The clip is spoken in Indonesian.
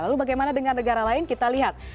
lalu bagaimana dengan negara lain kita lihat